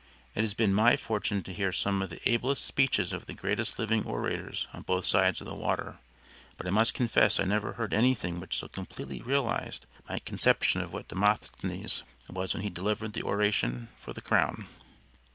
It has been my fortune to hear some of the ablest speeches of the greatest living orators on both sides of the water, but I must confess I never heard anything which so completely realized my conception of what Demosthenes was when he delivered the oration for the Crown."